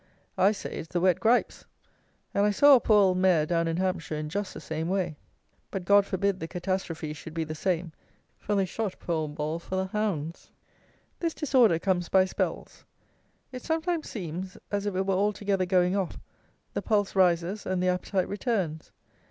I say it's the wet gripes; and I saw a poor old mare down in Hampshire in just the same way; but God forbid the catastrophe should be the same, for they shot poor old Ball for the hounds. This disorder comes by spells. It sometimes seems as if it were altogether going off; the pulse rises, and the appetite returns.